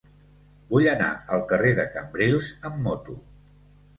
Vull anar al carrer de Cambrils amb moto.